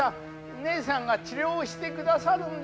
ねえさんが治療してくださるんで。